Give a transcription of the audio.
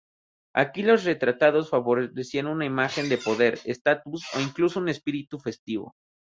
Aquí los retratados favorecían una imagen de poder, estatus o incluso un espíritu festivo.